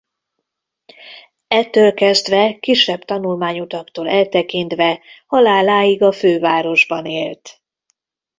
Ettől kezdve kisebb tanulmányutaktól eltekintve haláláig a fővárosban élt.